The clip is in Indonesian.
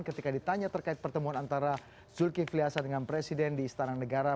ketika ditanya terkait pertemuan antara zulkifli hasan dengan presiden di istana negara